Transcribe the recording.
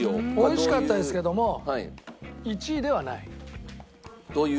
美味しかったですけども１位ではない。